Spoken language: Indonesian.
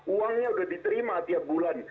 uangnya sudah diterima tiap bulan